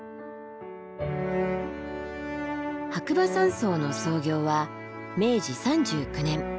白馬山荘の創業は明治３９年。